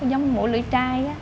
giống mũ lưỡi trai á